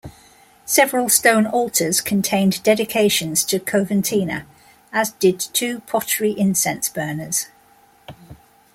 Several stone altars contained dedications to Coventina, as did two pottery incense burners.